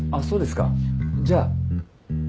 そうですかじゃあ。